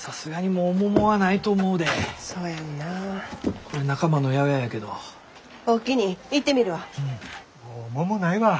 もう桃ないわ。